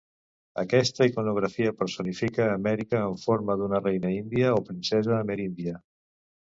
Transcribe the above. Aquesta iconografia personifica Amèrica en forma d'una reina índia o princesa ameríndia.